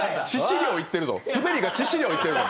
スベりが致死量いってるぞ。